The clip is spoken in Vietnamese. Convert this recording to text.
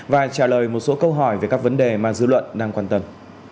và trả lời một số câu hỏi về các vấn đề mà dư luận đang quan tâm